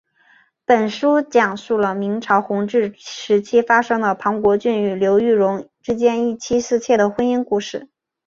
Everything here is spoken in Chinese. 本书讲述了明朝弘治时期发生的庞国俊与刘玉蓉等之间一妻四妾的婚姻故事。